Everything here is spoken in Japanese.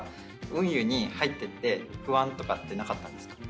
運輸に入っていって不安とかってなかったんですか？